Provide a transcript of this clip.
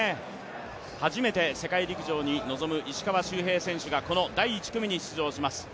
初めて世界陸上に臨む石川周平選手がこの第１組に出場します。